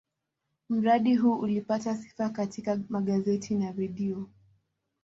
Mradi huu ulipata sifa katika magazeti na redio.